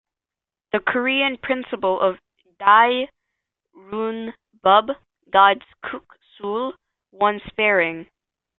The Korean principle of "dae ryuhn bub" guides Kuk Sool Won sparring.